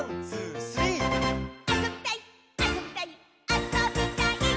あそびたいっ！」